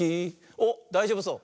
おっだいじょうぶそう。